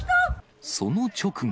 その直後。